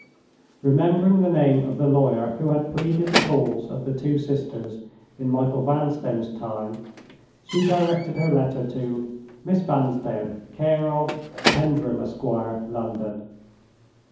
Remembering the name of the lawyer who had pleaded the cause of the two sisters in Michael Vanstone's time, she directed her letter to "Miss Vanstone, care of——Pendril, Esquire, London."